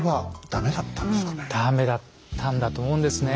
駄目だったんだと思うんですね。